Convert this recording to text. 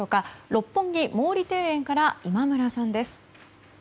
六本木・毛利庭園から今村さんです。